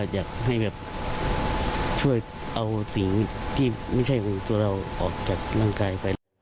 อยากให้แบบช่วยเอาสิ่งที่ไม่ใช่ของตัวเราออกจากร่างกายไป